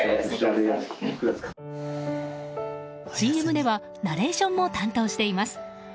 ＣＭではナレーションも担当しています。